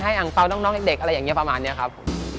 อังเปล่าน้องเด็กอะไรอย่างนี้ประมาณนี้ครับผม